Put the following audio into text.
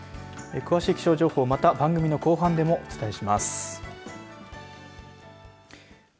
詳しい気象情報また番組の後半でもお伝えします。